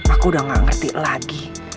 aku udah gak ngerti lagi